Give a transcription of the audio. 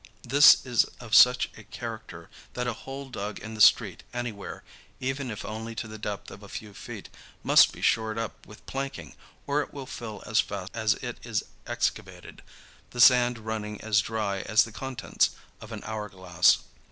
This is of such a character that a hole dug in the street anywhere, even if only to the depth of a few feet, must be shored up with planking or it will fill as fast as it is excavated, the sand running as dry as the contents of an hour glass.